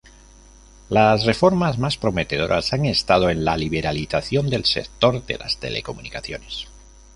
Las reformas más prometedoras han estado en la liberalización del sector de las telecomunicaciones.